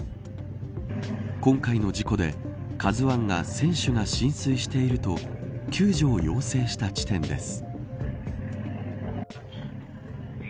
今回の事故でＫＡＺＵ１が船首が浸水していると救助を要請した地点です。